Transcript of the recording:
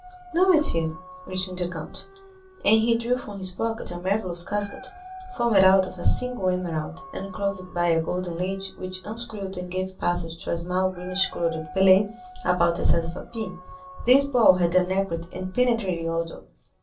"No, monsieur," returned the count; and he drew from his pocket a marvellous casket, formed out of a single emerald and closed by a golden lid which unscrewed and gave passage to a small greenish colored pellet about the size of a pea. This ball had an acrid and penetrating odor.